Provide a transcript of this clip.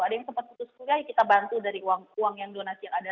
ada yang sempat putus kuliah ya kita bantu dari uang yang donasi yang ada